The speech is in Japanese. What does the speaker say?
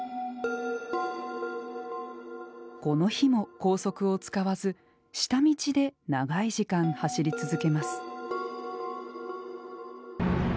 この日も高速を使わず下道で長い時間走り続けます。